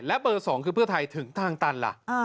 และเบอร์๒คือเพื่อไทยถึงทางตันล่ะ